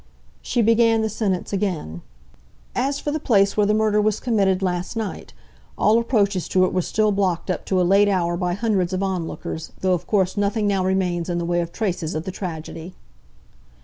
She began the sentence again: "As for the place where the murder was committed last night, all approaches to it were still blocked up to a late hour by hundreds of onlookers, though, of course, nothing now remains in the way of traces of the tragedy."